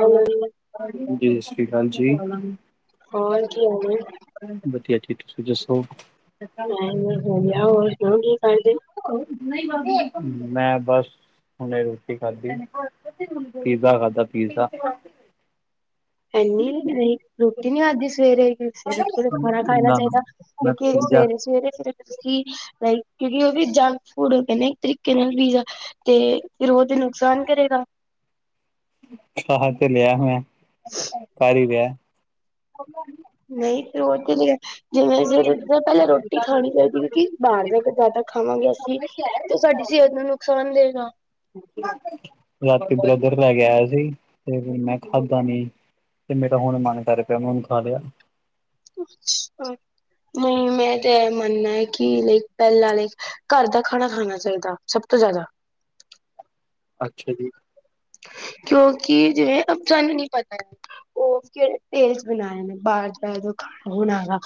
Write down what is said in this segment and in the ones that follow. Hello ਜੀ ਸਾਸਰੀ ਕਾਲ ਜੀ। [unintelligible] ਹੋਰ ਕੀ ਹਾਲ ਏ? ਵਦੀਆ ਜੀ ਤੁਸੀਂ ਦੱਸੋ [inaudible] ਨਈਂ ਬਾਬੀ ਜੀ, ਮੈਂ ਬਸ ਹੁਨੇ ਰੋਟੀ ਖਾਦੀ। ਪੀਜ਼ਾ ਖਾਦਾ ਪੀਜ਼ਾ। ਹੈਨੀ ਨਈਂ ਰੋਟੀ ਨਈਂ ਖਾਦੀ ਸਵੇਰੇ-ਸਵੇਰੇ ਉੱਠ ਕੇ ਖਾਨਾ-ਖਾਨਾ ਨਾ ਨਾ ਚਈਦਾ। ਮੈਂ ਕਿਓਂਕਿ ਪੀਜ਼ਾ ਸਵੇਰੇ-ਸਵੇਰੇ ਫਿਰ ਤੁਸੀਂ ਲਾਈਕ ਕਿਓਂਕਿ ਓ ਵੀ ਜੰਕ ਫੂਡ ਹੋ ਗੇਆ ਇੱਕ ਤਰੀਕੇ ਨਾਲ ਪੀਜ਼ਾ ਤੇ ਫਿਰ ਓ ਤੇ ਨੁਕਸਾਨ ਕਰੇਗਾ। ਖਾ ਤੇ ਲੇਆ ਮੈਂ, ਕਰ ਈ ਰਿਆ। ਨਈਂ ਫੇਰ ਓ ਤੇ ਚਲੋ ਜਿਵੇਂ ਸਵੇਰੇ ਉੱਠਦੇਆਂ ਪੈਲੇ ਰੋਟੀ ਖਾਨੀ ਚਾਈਦੀ ਕਿਓਂਕਿ ਬਾਰ ਦਾ ਤਾਂ ਜਾਦਾ ਖਾਵਾਂਗੇ ਅਸੀਂ ਤੇ ਓ ਸਾਡੀ ਸੇਤ ਨੂੰ ਨੁਕਸਾਨ ਦਏਗਾ। ਰਾਤੀ ਬਰਦਰ ਲੈ ਕੇ ਆਇਆ ਸੀ, ਤੇ ਫਿਰ ਮੈਂ ਖਾਧਾ ਨੀ। ਤੇ ਮੇਰਾ ਹੁਨ ਮਨ ਕਰ ਗੇਆ ਮੈਂ ਹੁਨ ਖਾ ਲੇਆ। ਨਈ ਮੈਂ ਤੇ ਐ ਮੰਨਨਾ ਕੀ ਲਾਈਕ ਪੈਲਾਂ ਆਲੇ ਘਰ ਦਾ ਖਾਨਾ ਖਾਨਾ ਚਾਈਦਾ ਸਬ ਤੋਂ ਜਾਦਾ। ਅੱਛਾ ਜੀ। ਕਿਓਂਕਿ ਜਿਵੇਂ ਆਪਾਂ ਨੀ ਪਤਾ ਆ ਓ ਫੇਰ ਤੇਲ ਚ ਬਨਾਏ ਨੇ ਬਾਰ ਜਦੋਂ ਖਾਨਾ ਖੂਨਾ ਹੈਗਾ,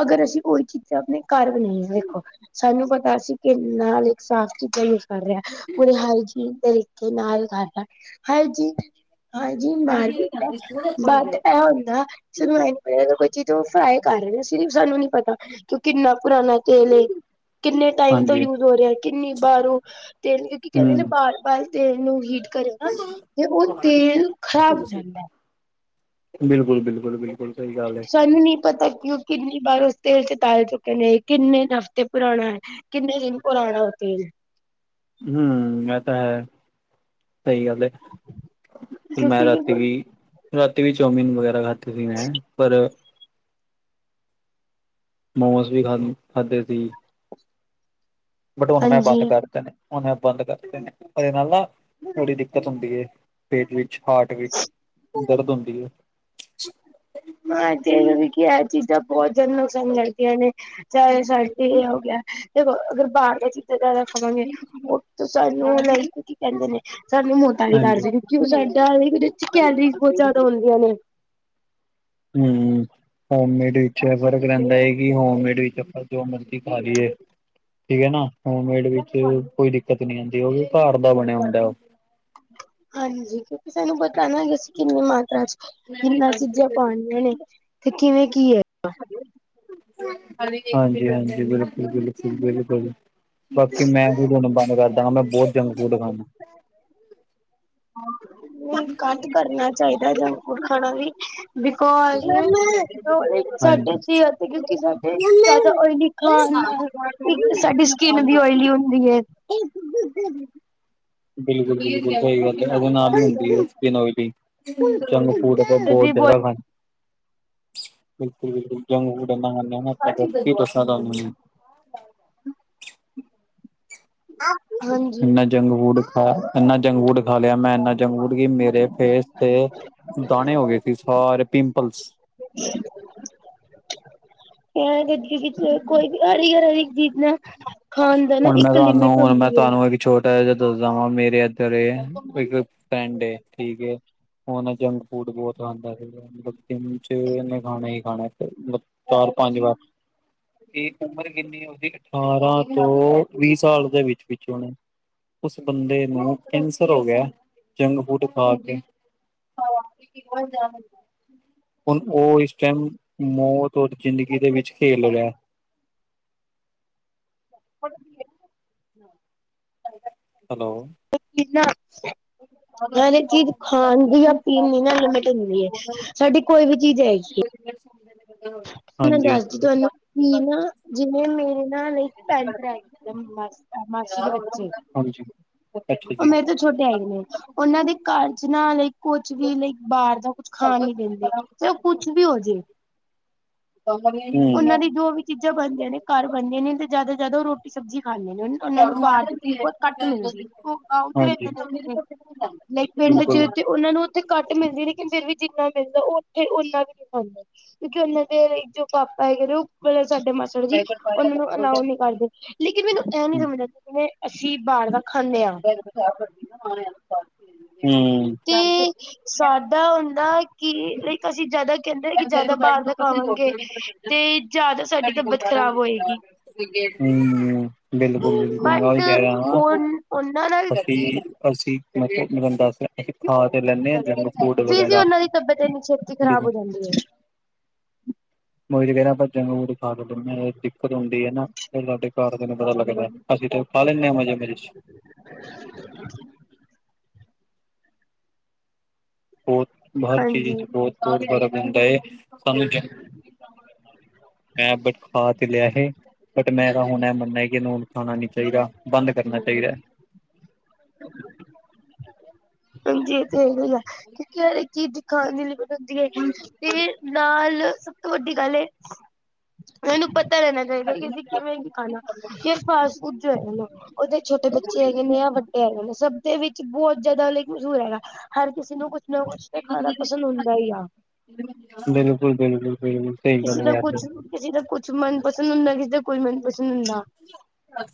ਅਗਰ ਅਸੀਂ ਓਈ ਚੀ ਤੇ ਆਪਨੇ ਘਰ ਬਨੀਆਂ ਹੋਈਆਂ ਵੇਖੋ ਸਾਨੂੰ ਪਤਾ ਅਸੀ ਕਿ ਨਾਲ ਇੱਕ ਸਾਫ਼ ਚੀਜ਼ਾਂ ਕਰ ਰਿਆ ਹੁਨੇ ਹਰ ਚੀਜ਼ ਤਰੀਕੇ ਨਾਲ ਕਰਦਾ ਹਰ ਚੀ ਹਾਂਜੀ ਮਾਰਕੀਟ ਐ, ਬਟ ਐ ਹੁੰਦਾ ਜਿਵੇਂ ਕੋਈ ਨਾ ਕੋਈ ਚੀਜ਼ ਫਰਾਈ ਕਰ ਰਏ ਓਂ ਸਿਰਫ ਸਾਨੂੰ ਨੀ ਪਤਾ ਕੀ ਓ ਕਿੰਨਾ ਪੁਰਾਨਾ ਤੇਲ ਏ ਕਿੰਨੇ ਟਾਈਮ ਤੋਂ ਹਾਂਜੀ ਯੂਜ ਹੋ ਰਿਆ ਕਿੰਨੀ ਬਾਰੋਂ ਤੇਲ ਕਿਓਂਕਿ ਕੈਂਦੇ ਨਾ ਹੂੰ ਬਾਰ ਵਾਲਾ ਤੇਲ ਨੂੰ ਹੀਟ ਕਰੋ ਨਾ, ਤੇ ਓ ਤੇਲ ਖ਼ਰਾਬ ਹੋ ਜਾਂਦਾ। ਬਿਲਕੁਲ-ਬਿਲਕੁਲ-ਬਿਲਕੁਲ। ਸਾਨੂੰ ਨੀ ਪਤਾ ਕੇ ਓ ਕਿੰਨੀ ਵਾਰ ਉਸ ਤੇਲ ਚ ਤਲ ਚੁੱਕੇ ਨੇ ਕਿੰਨੇ ਹਫ਼ਤੇ ਪੁਰਾਨਾ ਐ। ਕਿੰਨੇ ਦਿਨ ਪੁਰਾਨਾ ਓ ਤੇਲ। ਹੂੰ ਐ ਤਾਂ ਹੈ। ਸਈ ਗੱਲ ਐ, ਫਿਰ ਮੈਂ ਕਿਉਂਕਿ ਰਾਤੀ ਵੀ ਰਾਤੀ ਵੀ ਚੌਮਿਨ ਵਗੈਰਾ ਖਾਤੀ ਤੀ ਮੈਂ ਪਰ ਮੋਮਸ [unintelligible] ਬਟ ਹੁਣ ਮੈਂ ਬੰਦ ਹਾਂਜੀ। ਕਰਤੇ ਨੇ, ਹੁਣ ਮੈਂ ਬੰਦ ਕਰਤੇ ਨੇ ਓਹਦੇ ਨਾਲ ਨਾ ਥੋੜੀ ਦਿੱਕਤ ਹੁੰਦੀ ਏ। ਪੇਟ ਵਿੱਚ ਹਾਰਟ ਵਿੱਚ ਦਰਦ ਹੁੰਦੀ ਹੈ। ਹਾਂ, ਜਿਵੇ ਵੀ ਕਿ ਆ ਚੀਜਾਂ ਬੋਤ ਜਾਦਾ ਨੁਕਸਾਨ ਕਰਦੀਆਂ ਨੇ। ਚਾਏ ਰਿਜਲਟ ਤੇ ਏਹ ਹੋ ਗਿਆ ਦੇਖੋ ਅਗਰ ਬਾਹਰ ਦੀਆਂ ਚੀਜਾਂ ਜਿਆਦਾ ਖਾਵਾਂਗੇ ਉਹਤੋ ਸਾਨੂੰ ਲਾਇਕ ਕੀ ਕਹਿੰਦੇ ਨੇ ਸਾਨੂੰ ਮੋਟਾ ਵੀ ਹਾਂਜੀ। ਕਰਦੇ ਨੇ ਕਿਉਂ ਸਾਡਾ ਉਹਦੇ ਵਿੱਚ ਕੈਲਰੀਜ਼ ਬਹੁਤ ਜਿਆਦਾ ਹੁੰਦੀਆਂ ਨੇ ਹੁੰ ਹੋਮਮੇਡ ਵਿੱਚ ਏ ਫਰਕ ਰਹਿੰਦਾ ਹੈ ਕਿ ਹੋਮਮੇਡ ਵਿੱਚ ਆਪਾਂ ਜੋ ਮਰਜ਼ੀ ਖਾ ਲਈਏ। ਠੀਕ ਏ ਨਾ, ਹੋਮਮੇਡ ਵਿੱਚ ਕੋਈ ਦਿੱਕਤ ਨੀ ਆਂਦੀ ਉਹ ਵੀ ਘਰ ਦਾ ਬਨਿਆ ਹੁੰਦੈ ਓਹ। ਹਾਂਜੀ, ਕਿਉਂਕਿ ਸਾਨੂੰ ਪਤੈ ਨਾ ਕਿੰਨੀ ਮਾਤਰਾ ਚ ਕਿੰਨਾ ਚੀਜਾਂ ਪਾਣੀਆਂ ਨੇ ਤੇ ਕਿਵੇਂ ਕੀ ਏ [inaudible] ਹਾਂਜੀ-ਹਾਂਜੀ, ਬਿਲਕੁਲ-ਬਿਲਕੁਲ-ਬਿਲਕੁਲ। ਬਾਕੀ ਮੈਂ ਵੀ ਹੁਣ ਬੰਦ ਕਰ ਦਾਂਗਾ, ਮੈਂ ਬੋਤ ਜੰਕ ਫੂਡ ਖਾਣਾ। ਹਾਂ। ਨਈ, ਘੱਟ ਕਰਨਾ ਚਾਹੀਦਾ ਜੰਕ ਫੂਡ ਖਾਣਾ ਵੀ। ਬਿਕੋਜ਼ ਜੋ ਹਾਂਜੀ ਸਾਡੇ ਚ ਈ ਐ ਕਿਉਂਕਿ ਸਾਡੇ ਜਿਆਦਾ ਓਇਲੀ ਖਾਨ ਨਾਲ ਇੱਕ ਸਾਡੀ ਸਕਿਨ ਵੀ ਓਇਲੀ ਹੁੰਦੀ ਐ। [unintelligible] ਬਿਲਕੁਲ-ਬਿਲਕੁਲ, ਸਈ ਗੱਲ ਐ, ਓਹਦੇ ਨਾਲ ਈ ਹੁੰਦੀ ਐ ਸਕਿਨ ਓਇਲੀ, ਜੰਕ ਫੂਡ ਜੋ ਵੀ ਬੋਤ ਬਹੁਤ, ਜਿਆਦਾ ਖਾਨ ਬਿਲਕੁਲ-ਬਿਲਕੁਲ, ਜੰਕ ਫੂਡ ਇੰਨਾਂ ਖਾਨੇ ਆਂ ਨਾ ਕੀ ਦੱਸਾਂ ਤੁਹਾਨੂੰ ਹਾਂਜੀ ਇੰਨਾ ਜੰਕ ਫੂਡ ਖਾ ਇੰਨਾ ਜੰਕ ਫੂਡ ਖਾ ਲਿਆ ਮੈਂ ਇੰਨਾ ਜੰਕ ਫੂਡ ਕਿ ਮੇਰੇ ਫੇਸ ਤੇ ਦਾਣੇ ਹੋ ਗਏ ਸੀ, ਸਾਰੇ ਪਿੰਪਲਸ। [unintelligible] ਇਸ ਇਚ [unintelligible] ਕੋਈ ਬੀ [inaudible] ਹੁਣ ਮੈਂ ਤੁਹਾਨੂੰ, ਹੁਣ ਮੈਂ ਤੁਹਾਨੂੰ ਹੈ। ਐਹ ਵੀ ਛੋਟਾ ਜਿਹਾ [unintelligible] ਵਾਂ, ਮੇਰੇ ਐਦਰ ਏ ਇੱਕ ਫਰੈਂਡ ਏ, ਠੀਕ ਏ ਓਹ ਨਾ ਜੰਕ ਫੂਡ ਬੋਤ ਖਾਂਦਾ ਸੀਗਾ ਮਤਲਬ ਦਿਨ ਚ ਓਹਨੇ ਖਾਣਾ ਹੀ ਖਾਣਾ ਮਤਲਬ ਚਾਰ ਪੰਜ ਵਾਰ ਠੀਕ ਉਮਰ ਕਿੰਨੀ ਏ ਓਹਦੀ? ਅਠਾਰਾਂ ਤੋਂ ਵੀਹ ਸਾਲ ਦੇ ਵਿੱਚ ਵਿੱਚ ਹੋਨੀ। ਉਸ ਬੰਦੇ ਨੂੰ ਕੈਂਸਰ ਹੋ ਗਿਆ ਜੰਕ ਫੂਡ ਖਾ ਕੇ‌। ਹਾਂ ਇਕ ਇਕ [inaudible] ਜਾਨ ਹੁੰਦੈ। ਹੁਨ ਓਹ ਇਸ ਟਾਈਮ ਮੌਤ ਹੋਰ ਜਿੰਦਗੀ ਦੇ ਵਿੱਚ ਖੇਲ ਰਿਐ ਪੜ੍ਹਦੀ ਏ [unintelligible] ਹੈਲੋ ਓਹ ਕੀ ਨਾ, ਯਾਰ ਇੱਕ ਚੀਜ ਖਾਨ ਦੀ ਜਾਂ ਪੀਨ ਦੀ ਨਾ ਲਿਮਿਟ ਹੁੰਦੀ ਐ। ਸਾਡੀ ਕੋਈ ਵੀ ਚੀਜ ਹੈਗੀਏ। ਫੇਰ ਸੁਨਦੇ ਨੇ [unintelligible] ਮੈਂ ਦੱਸਦੀ ਤੁਹਾਨੂੰ ਕਿ ਨਾ ਜਿਵੇਂ ਮੇਰੇ ਨਾਲ ਇਕ ਫਰੈਂਡ ਰਹਿੰਦੀ [unintelligible] ਮਾਸੀ ਮਾਸੀ ਦੇ ਬੱਚੇ ਹਾਂਜੀ। ਅੱਛਾ ਜੀ। ਉਹਨਾ ਚ ਛੋਟੇ ਹੈਗੇ ਨੇ, ਓਹਨਾਂ ਦੇ ਘਰ ਚ ਨਾ ਲਾਈਕ ਕੁਛ ਵੀ ਲਾਈਕ ਬਾਹਰ ਦਾ ਕੁਛ ਖਾਨ ਨੀ ਦੇਂਦੇ, ਚਾਏ ਕੁਛ ਵੀ ਹੋਜੇ। ਕੰਮ ਵਾਲਿਆਂ ਹੀ ਓਨਾਂ ਦੀ ਜੋ ਵੀ ਚੀਜ਼ਾਂ ਬਣਦੀਆਂ ਨੇ ਘਰ ਬਣਦੀਆਂ ਨੇ ਤੇ ਜਾਦਾ ਜਾਦਾ ਓ ਰੋਟੀ ਸਬਜ਼ੀ ਖਾਂਦੇ ਨੇ। ਓਨਾਂ ਨੂੰ ਬਾਰ ਦੀ ਚੀਜ਼ ਬੋਤ ਘੱਟ ਮਿਲਦੀ, ਓ ਗਾਉ 'ਚ ਹਾਂਜੀ। ਰੈਂਦੇ ਨੇ [unintelligible] ਲਾਇਕ ਪਿੰਡ ਬਿਲਕੁਲ ਹੂੰ। ਹੂੰ। 'ਚ ਤੇ ਓਨਾਂ ਨੂੰ ਓਥੇ ਘੱਟ ਮਿਲਦੀ ਲੇਕਿਨ ਫੇਰ ਵੀ ਜਿੰਨਾ ਮਿਲਦਾ ਓ ਓਥੇ ਓਨਾ ਵੀ ਨੀ ਖਾਂਦੇ ਕਿਉਂਕਿ ਓਨਾਂ ਦੇ ਜੋ ਪਾਪਾ ਹੈਗੇ ਨੇ ਓ ਮਤਬਲ ਸਾਡੇ ਮਾਸੜ ਜੀ ਓਨਾਂ ਨੂੰ ਅਲਾਓ ਨੀ ਕਰਦੇ। ਲੇਕਿਨ ਮੈਨੂੰ ਐ ਨੀ ਹੂੰ ਸਮਝ ਆਂਦੀ ਜਿਵੇਂ ਅਸੀਂ ਬਾਰ ਦਾ ਖਾਂਦੇ ਆਂ [unintelligible] [inaudible] ਹੂੰ। ਕਿ ਸਾਡਾ ਹੁੰਦਾ ਕਿ ਲਾਇਕ ਅਸੀਂ ਜਾਦਾ ਕੈਂਦੇ ਆ ਕਿ ਜਾਦਾ ਬਾਰ ਦਾ ਖਾਵਾਂਗੇ ਤੇ ਜਾਦਾ ਸਾਡੀ ਤਬੀਅਤ ਖ਼ਰਾਬ ਹੋਏਗੀ। ਹੂੰ, ਬਿਲਕੁਲ-ਬਿਲਕੁਲ, ਮੈਂ ਓਈ ਕੈ ਰਯਾ ਵਾਂ। ਓਨਾਂ ਨਾਲ ਅਸੀਂ, ਕੀ ਹੈ ਅਸੀ ਮਤਲਬ ਮੈਂ ਤੁਆਨੁ ਦੱਸ ਰਯਾਂ ਅਸੀ ਕਿ ਖਾਂ ਉਹ ਤੇ ਲੈਨੇ ਆਂ ਜੰਕ ਫੂਡ ਵਗੈਰਾ ਲੇਕਿਨ ਹਾਂਜੀ ਮੈਮ। ਮੈਂ ਓਈ ਤੇ ਕੈ ਰਯਾ ਆਪਾਂ ਜੰਕ ਫੂਡ ਵਗੈਰਾ ਖਾਂ ਤਾਂ ਲੈਨੇ ਆ ਦਿੱਕਤ ਹੁੰਦੀ ਐ ਨਾ, ਫੇਰ ਸਾਡੇ ਘਰਦੇਆਂ ਨੂੰ ਪਤਾ ਲੱਗਦੈ। ਅਸੀਂ ਤੇ ਓ ਖਾ ਲੈਨੇ ਆ ਮਜ਼ੇ-ਮਜ਼ੇ 'ਚ। [inaudible] ਬੋਤ ਹਰ ਚੀਜ਼ ਹਾਂਜੀ। 'ਚ ਬੋਤ-ਬੋਤ ਜਾਦਾ ਗੰਦ ਐ, [unintelligible] ਮੈਂ ਬਟ ਖਾ ਤੇ ਲੇਆ ਹੀ ਬਟ ਮੈਂ ਤਾਂ ਹੁਨਾ ਐ ਮੰਨਿਆ ਕਿ ਇਨੂੰ ਖਾਨਾ ਨੀ ਚਾਈਦਾ, ਬੰਦ ਕਰਨਾ ਚਾਈਦਾ ਐ। [inaudible] ਹਾਂਜੀ ਏ ਤੇ ਹੈਗਾ ਈ ਐ, ਕਿਉਂਕਿ ਹਰ ਇੱਕ ਚੀਜ਼ ਖਾਨਾ ਦੇ ਲਈ ਹੁੰਦੀ ਏ ਤੇ ਨਾਲ ਸਭ ਤੋਂ ਵੱਡੀ ਗੱਲ ਏ ਏਨੂੰ ਪਤਾ ਰੈਨਾ ਚਾਈਦਾ ਕਿ ਅਸੀਂ ਕਿਉਂ ਨਈ ਖਾਨਾ ਕਿ ਫਾਸਟ ਫੂਡ ਜੋ ਹੈ ਨਾ ਓਦੇ ਛੋਟੇ ਬੱਚੇ ਹੈਗੇ ਨੇ ਯਾ ਵੱਡੇ ਹੈਗੇ ਨੇ ਸਭ ਦੇ ਵਿੱਚ ਬੋਤ ਜਾਦਾ ਲਾਈਕ ਮਸਹੂਰ ਹੈਗਾ, ਹਰ ਕਿਸੇ ਨੂੰ ਕੁਛ ਨਾ ਕੁਛ ਤੇ ਖਾਨਾ ਪਸੰਦ ਹੁੰਦਾ ਈ ਆ। ਬਿਲਕੁਲ, ਬਿਲਕੁਲ, ਬਿਲਕੁਲ, ਸਈ ਗੱਲ ਐ ਤੇ। ਕਿਸੀਂ ਦਾ ਕੁਛ ਮਨਪਸੰਦ ਹੁੰਦਾ, ਕਿਸੇ ਦਾ ਕੋਈ ਮਨਪਸੰਦ ਹੁੰਦਾ। [inaudible]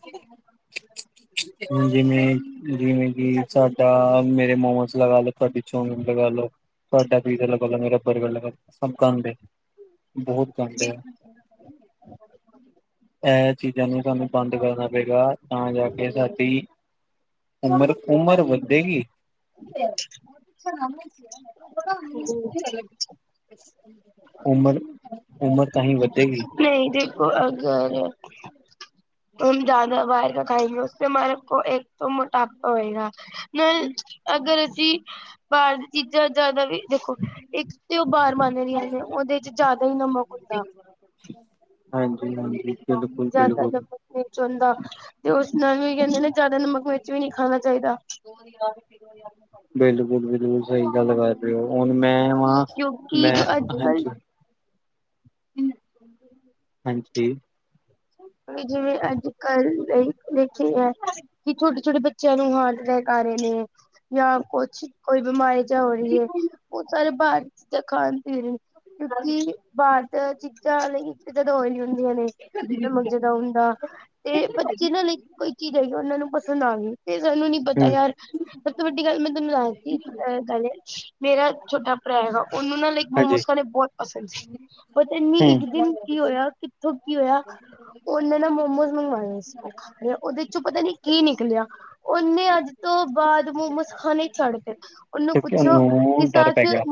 ਹੁਨਾ ਜਿਵੇਂ-ਜਿਵੇਂ ਕਿ ਸਾਡਾ ਮੇਰੇ ਮੋਮੋਸ ਲਗਾ ਲੋ ਤਾ, ਤੁਆੜੀ ਚੋਮੀਨ ਲਗਾ ਲੋ। ਤੁਆਡਾ ਪੀਜ਼ਾ ਲਗਾ ਲੋ, ਮੇਰਾ ਬਰਗਰ ਲਗਾ ਲੋ, ਸਭ ਗੰਦ ਏ, ਬੋਹਤ ਗੰਦ ਏ, ਐ ਚੀਜ਼ਾਂ ਨੂੰ ਸਾਨੂੰ ਬੰਦ ਕਰਨਾ ਪਏਗਾ ਤਾਂ ਜਾ ਕੇ ਸਾਡੀ ਉਮਰ, ਉਮਰ ਵਦੇਗੀ। [unintelligible] ਵਧੇਗੀ ਨਈ ਦੇਖੋ, ਅਗਰ ਹੁਨ ਜਾਦਾ ਬਾਰ ਦਾ ਖਾਂਏਗੇ, ਉਸ ਸੇ ਹਮਾਰਾ ਦੇਖੋ ਏਕ ਤੋ ਮੋਟਾਪ ਹੋਏਗਾ ਨਾਲ, ਅਗਰ ਅਸੀਂ ਬਾਰ ਦੀ ਚੀਜ਼ਾਂ ਜਾਦਾ ਵੀ ਦੇਖੋ, ਇੱਕ ਤੇ ਓ ਬਾਰ ਬਨਾ ਰਇਆ ਨੇ, ਓਦੇ 'ਚ ਜਾਦਾ ਈ ਨਮ ਹਾਂਜੀ-ਹਾਂਜੀ। ਜਾਦਾ ਨਮਕ ਵਿੱਚ ਹੋਂਦਾ। ਤੇ ਓਸ ਨਾਲ ਵੀ ਕੈਂਦੇ ਨੇ ਜਾਦਾ ਨਮਕ ਮਿਰਚ ਵੀ ਨੀ ਖਾਨਾ ਚਾਈਦਾ। ਬਿਲਕੁਲ-ਬਿਲਕੁਲ ਸਈ ਗੱਲ ਬਾਤ ਤੇ ਹੁਣ ਮੈਂ ਵਾਂ ਕਿਉਂਕਿ ਮੈਂ ਜੋ ਅੱਜ ਕੱਲ ਹਾਂਜੀ। ਹਾਂਜੀ ਵੀ ਜਿਵੇਂ ਅੱਜ ਕੱਲ ਲਈ ਲੇਖੇ ਆ। ਕਿ ਛੋਟੇ-ਛੋਟੇ ਬੱਚਿਆਂ ਨੂੰ ਹਾਰਟ ਅਟੈਕ ਆ ਰਏ ਨੇ ਜਾਂ ਕੁਛ ਕੋਈ ਬਿਮਾਰੀ ਚੱਲ ਰਈ ਏ ਓ ਸਾਰੇ ਬਾਰ ਚੀਜ਼ਾਂ ਖਾਣ ਪੀਣ ਕਿਉਂਕਿ ਬਾਰ ਤਾਂ ਚੀਜ਼ਾਂ ਲਈ ਇੱਕ ਜਗ੍ਹਾ ਹੋ ਜਾਂਦੀਆਂ ਨੇ। ਨਮਕ ਜਾਦਾ ਹੁੰਦਾ ਤੇ ਬੱਚੇ ਨਾ ਲਾਇਕ ਕੋਈ ਚੀਜ਼ ਹੈਗੀ ਉਨਾਂ ਨੂੰ ਪਸੰਦ ਆ ਗਈ ਤੇ ਸਾਨੂੰ ਨਈ ਉਦਾਂ ਹਮ ਯਾਰ ਸਭ ਤੋਂ ਵੱਡੀ ਗੱਲ ਮੈਂ ਤਾਨੂੰ ਦੱਸਦੀ ਇੱਕ ਗੱਲ ਮੇਰਾ ਛੋਟਾ ਭਰਾ ਹੈਗਾ ਉਨੂੰ ਨਾ ਲਾਈ ਹਾਂਜੀ ਮੋਮੋਸ ਘਣੇ ਬੋਤ ਪਸੰਦ ਸੀ ਪਰ ਇਨੀ ਇੱਕ ਹਮ ਦਿਨ ਕੀ ਹੋਇਆ ਕਿੱਥੋਂ ਕੀ ਹੋਇਆ। ਉਨਾਂ ਨੇ ਮੋਮੋਸ ਮੰਗਾਏ ਸੀ ਉਦੇ 'ਚੋਂ ਪਤਾ ਨੀ ਕੀ ਨਿਕਲਿਆ। ਉਨੇ ਅੱਜ ਤੋਂ ਬਾਦ ਮੋਮੋਸ ਖਾਨੇ ਈ ਛੱਡਤੇ। ਉਨੂੰ ਕਿਉਂਕਿ ਪੁੱਛੋ ਕੀ ਉਹਨੂੰ ਡਰ ਸਚ ਪੈ ਗਿਆ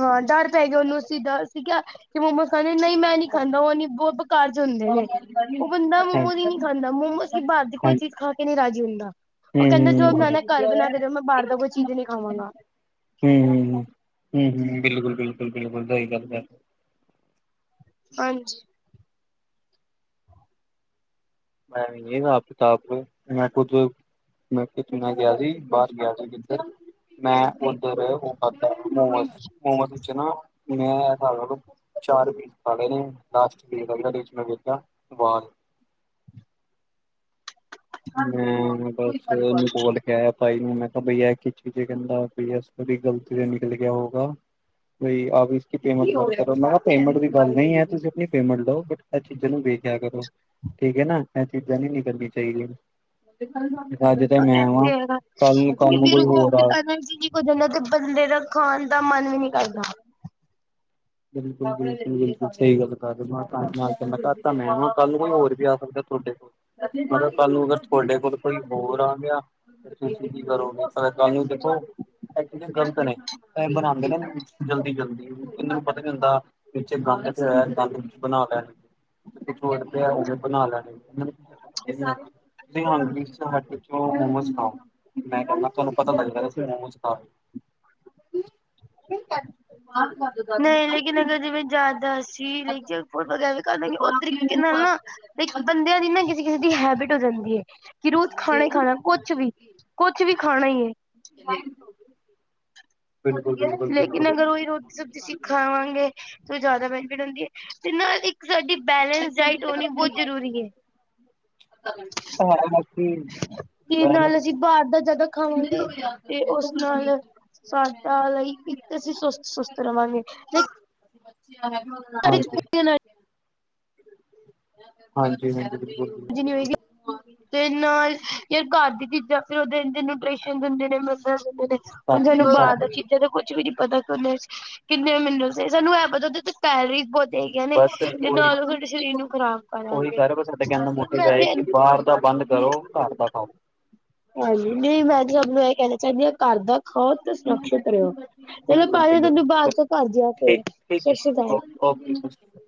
ਹਾਂ ਡਰ ਪੈ ਗਿਆ ਉਨੂੰ ਇਸ ਚੀਜ਼ ਦਾ ਠੀਕ ਆ ਕਿ ਮੋਮੋਸ ਖਾਣੇ ਈ ਨਈ ਮੈਂ ਨੀ ਖਾਂਦਾ ਓ ਨੀ ਬੋ ਬੇਕਾਰ ਹੁੰਦੇ ਨੇ ਹਾਂਜੀ ਹਮ ਓ ਬੰਦਾ ਮੋਮੋਜ਼ ਈ ਨਈ ਖਾਂਦਾ ਮੋਮੋਜ਼ ਬਾਰ ਦੀ ਕੋਈ ਹਮ ਚੀਜ਼ ਖਾ ਕੇ ਨਈ ਰਾਜ਼ੀ ਹੁੰਦਾ। ਓ ਕੈਂਦਾ ਜੋ ਮੈਂ ਨਾ ਘਰ ਬਣਾ ਕੇ ਦਿਓ ਮੈਂ ਬਾਰ ਦਾ ਕੋਈ ਚੀਜ਼ ਨਈ ਖਾਵਾਂਗਾ। ਹੂੰ ਹੂੰ ਹੂੰ ਹੂੰ-ਹੂੰ ਬਿਲਕੁਲ-ਬਿਲਕੁਲ- ਬਿਲਕੁਲ ਸਈ ਗੱਲ ਐ। ਹਾਂਜੀ ਹਾਂਜੀ ਹਾਬ ਕਿਤਾਬ ਮੈਂ ਖੁਦ ਮੈਂ ਕਿਸੇ ਨਾਲ ਗਿਆ ਸੀ ਬਾਰ ਗਿਆ ਸੀ ਕਿੱਧਰ ਮੈਂ ਉੱਧਰ [unintelligible] ਉਮਸ-ਉਮਸ ਵਿੱਚ ਨਾ ਮੈਂ ਐ ਸਾਬ ਲਾ ਲੋ। ਚਾਰ ਪੀਸ ਖਾ ਲੈ ਨੇ ਲਾਸਟ [unintelligible] ਮੈਂ ਵੇਖਿਆ ਵਾਲ [inaudible] ਭਾਈ ਨਈ ਮੈਂ ਕਿਆ ਬਈ ਐ ਕੀ ਚੀਜ਼ ਕੈਂਦਾ ਡੀ ਐੱਸ ਪੀ ਦੀ ਗਲਤੀ ਤੇ ਨਿਕਲ ਗਿਆ ਹੋਊਗਾ। ਬਈ ਆਪ ਇਸ ਕੀ ਪੇਮੈਂਟ ਕਰੋ ਮੈਂ ਕਿਆ ਪੇਮੈਂਟ ਦੀ ਗੱਲ ਨਈ ਏ ਤੁਸੀਂ ਆਪਣੀ ਪੇਮੈਂਟ ਲਓ ਬਟ ਐ ਚੀਜ਼ਾਂ ਨੂੰ ਵੇਖਿਆ ਕਰੋ ਠੀਕ ਹੈ ਨਾ ਐ ਚੀਜ਼ਾਂ ਨੀ ਕਰਨੀ ਚਾਈਦੀਆਂ। ਨਿਕਲ ਜਾਓ ਜੀ। ਐਸੇ ਹੈਗਾ ਨੂੰ ਕੈਂਦੀ ਕੋਈ ਰੁਕੋ ਹੋਰ ਫਿਰ ਆ ਐਨਰਜੀ ਕੁਦੇ ਨਾ ਤੇ ਬੰਦੇ ਦਾ ਖਾਣ ਦਾ ਮਨ ਵੀ ਨਈ ਕਰਦਾ। ਬਿਲਕੁਲ-ਬਿਲਕੁਲ-ਬਿਲਕੁਲ ਸਈ ਗੱਲ ਕਰ ਕੈਂਦਾ ਤਾ ਮੈਂ ਕੱਲ ਕੋਈ ਹੋਰ ਵੀ ਆ ਸਕਦਾ ਤੁਹਾਡੇ ਕੋਲ ਮੈਂ ਕਿਆ ਕੱਲ ਨੂੰ ਅਗਰ ਤੁਹਾਡੇ ਕੋਲ ਹੋਰ ਆ ਗਿਆ ਤੇ ਤੁਸੀਂ ਕੀ ਕਰੋਗੇ। ਤੁਹਾਨੂੰ ਦੇਖੋ ਗਲਤ ਨੇ ਬਣਾਦੇ ਨੇ ਜਲਦੀ- ਜਲਦੀ ਪਤਾ ਕੀ ਹੁੰਦਾ ਪਿਛੇ ਗੰਦ ਪਿਆ ਕਲ ਨੂੰ ਕੁਛ ਬਣਾ ਲੈਣ। ਕੁਛ ਹੋਰ ਪਿਆ ਉਹ ਵੀ ਬਣਾ ਲੈਣ। ਜੀ ਹੁਣ [unintelligible] 'ਚ ਮੋਮੋਜ਼ ਖਾਓ। ਮੈਂ ਕੈਂਦਾ ਤੁਹਾਨੂੰ ਪਤਾ ਲੱਗਦਾ ਸੀ ਮੋਮੋਸ ਖਾਣ [inaudible] ਦਾਦੀ ਕਿ ਨੇਗੇ ਜਿਵੇ ਜਾਦਾ ਸੀ ਲਾਂਗੇ ਵਗੈਰਾ ਓ ਤਰੀਕੇ ਨਾਲ ਨਾ। ਤੇ ਬੰਦਿਆਂ ਦੀ ਨਾ ਕਿਸੇ-ਕਿਸੇ ਦੀ ਹੈਬਿਟ ਹੋ ਜਾਂਦੀ ਏ। ਕਿ ਰੋਜ਼ ਖਾਣਾ ਈ ਖਾਣਾ ਕੁਛ ਵੀ ਕੁਛ ਵੀ ਖਾਣਾ ਈ ਏ। ਬਿਲਕੁਲ-ਬਿਲਕੁਲ-ਬਿਲਕੁਲ ਲੇਕਿਨ ਸ ਜਾਦਾ ਬੈਨੀਫਿਟ ਹੁੰਦੀ ਹੈ ਤੇ ਜਿੰਨਾ ਦੀ ਸਾਡੀ ਬੈਲੇੈਂਸ ਡਾਇਟ ਹੋਣੀ ਬੋਤ ਜ਼ਰੂਰੀ ਏ। ਹਾਂਜੀ। ਤੇ ਨਾਲ ਅਸੀ ਬਾਰ ਦਾ ਜਾਦਾ ਖਾਵਾਂਗੇ। ਤੇ ਓਸ ਨਾਲ ਸਾਡਾ ਲਈਕ ਇੱਕ ਤੇ ਅਸੀ ਸੁਸਤ ਸੁਸਤ ਰਵਾਂਗੇ। ਸਾਡੇ ਚ ਹਾਂਜੀ। ਪੂਰੀ ਐਨਰਜੀ ਹਾਂਜੀ ਹਾਂਜੀ, ਬਿਲਕੁਲ ਜੀ। ਤੇ ਨਾਲ ਯਾਰ ਘਰ ਦੀ ਚੀਜਾਂ ਫੇਰ ਓਦੇ ਨਿਊਟ੍ਰਿਸ਼ਨ ਦੇਂਦੇ ਨੇ, ਮਿਨਰਲ ਦੇਂਦੇ ਨੇ ਹੁਨ ਬਾਕੀ ਸਾਨੂੰ ਬਾਰ ਸਭ ਦਾ ਚੀਜ਼ਾਂ ਤਾਂ ਕੋਈ ਕੁਛ ਵੀ ਨੀ ਪਤਾ ਓਦੇ ਚ ਕਿੰਨੇ ਮਿਨਰਲਜ ਏ। ਸਾਨੂੰ ਐ ਪਤਾ ਓਦੇ ਤੇ ਤੈਰੀਖ ਬੋਤ ਹੈਗੀਆਂ ਨੇ ਬਸ ਤੇ ਉਹੀ ਨਾਲ ਓ ਸਾਡੇ ਸ਼ਰੀਰ ਨੂੰ ਖਰਾਬ ਕਰਾਂਗੇ। ਮੈਂ ਏ ਤੇ ਕਿ ਬਾਰ ਦਾ ਬੰਦ ਕਰੋ ਘਰ ਦਾ ਖਾਓ। ਹਾਂਜੀ, ਨਈ ਮੈਂ ਤੇ ਸਬ ਨੂੰ ਐ ਕੈਨਾ ਚਾਨੀ ਆਂ ਘਰ ਦਾ ਖਾਓ ਤੇ ਸੁਰਖਸ਼ਿਤ ਰੇਓ। ਚਲੋ ਬਿਲਕੁਲ ਪਾਜੀ ਤਾਨੂੰ ਬਿਲਕੁਲ ਬਾਚ ਕਰਦੀ ਆਂ ਫੇਰ। ਠੀਕ ਠੀਕ ਸਤਿ ਹੈ ਸ੍ਰੀ ਅਕਾਲ। ਓਕੇ। ਓਕੇ।